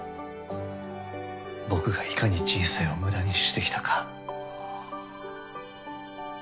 僕がいかに人生を無駄にしてきたか。